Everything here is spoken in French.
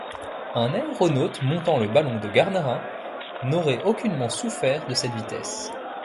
Un aéronaute montant le ballon de Garnerin n’aurait aucunement souffert de cette vitesse.